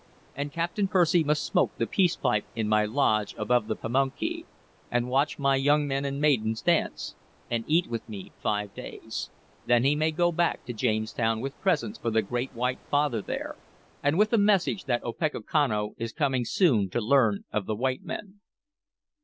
And Captain Percy must smoke the peace pipe in my lodge above the Pamunkey, and watch my young men and maidens dance, and eat with me five days. Then he may go back to Jamestown with presents for the great white father there, and with a message that Opechancanough is coming soon to learn of the white men."